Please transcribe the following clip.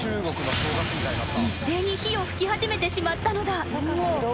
［一斉に火を噴き始めてしまったのだ］